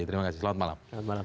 terima kasih selamat malam